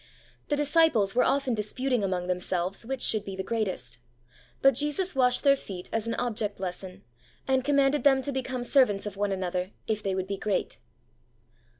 The disciples were often disputing" among" themselves which should be the gfreatest, but Jesus washed their feet as an object lesson, and commanded them to become servants of one another, if they would be great.